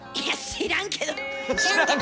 「知らんけど」。